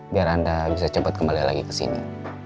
biar anda bisa cepet kembali lagi kesini